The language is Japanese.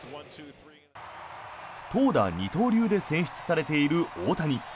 投打二刀流で選出されている大谷。